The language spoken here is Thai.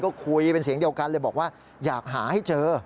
ก็คุยเป็นเสียงเดียวกันเลยบอกว่าอยากหาให้เจอ